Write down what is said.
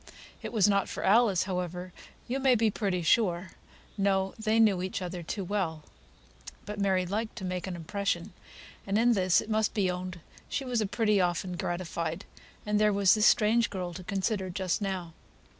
It was not for Alice, however, you may be pretty sure; no, they knew each other too well. But Mary liked making an impression, and in this it must be owned she was pretty often gratified and there was this strange girl to consider just now.